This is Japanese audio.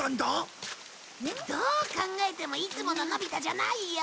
どう考えてもいつもののび太じゃないよ。